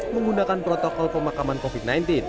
menggunakan protokol pemakaman covid sembilan belas